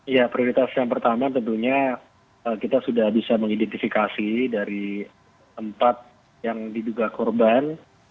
ya prioritas yang pertama tentunya kita sudah bisa mengidentifikasi dari tempat yang diduga korban